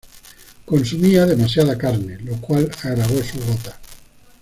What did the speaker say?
Consumía demasiada carne, lo cual agravó su gota.